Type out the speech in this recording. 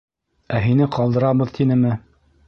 — Ә һине ҡалдырабыҙ тинеме?